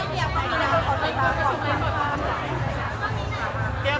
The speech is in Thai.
ขอแข่งหน่อยนะคะขอบคุณค่ะ